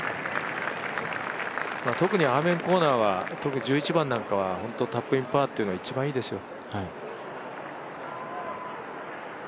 特にアーメンコーナーは、特に１１番なんかはタップインパーというのが一番いいですよ。